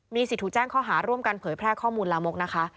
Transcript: สิทธิ์ถูกแจ้งข้อหาร่วมกันเผยแพร่ข้อมูลลามกนะคะ